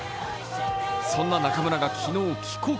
そんな中村が昨日帰国。